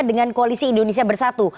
dengan koalisi indonesia bersatu